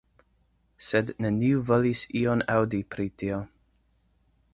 Sed neniu volis ion aŭdi pri tio.